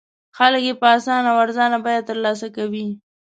خلک یې په اسانه او ارزانه بیه تر لاسه کوي.